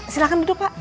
silahkan duduk pak